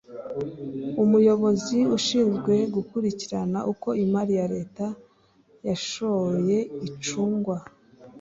umuyobozi ushinzwe gukurikirana uko imari ya Leta yashoye icungwa